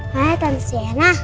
hai tuan siena